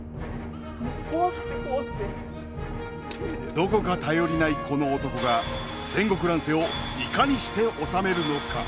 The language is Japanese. どこか頼りないこの男が戦国乱世をいかにして治めるのか。